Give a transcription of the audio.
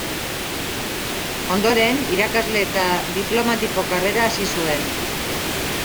Ondoren irakasle eta diplomatiko karrera hasi zuen.